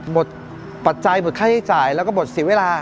ปัจจัยหมดค่าใช้จ่ายแล้วก็หมดเสียเวลา